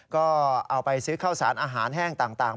ก็เอาไปซื้อข้าวสารอาหารแห้งต่าง